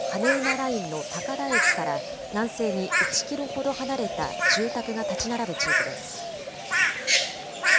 ラインの高田駅から南西に１キロほど離れた住宅が建ち並ぶ地域です。